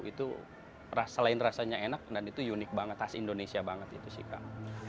itu selain rasanya enak dan itu unik banget khas indonesia banget gitu sih kak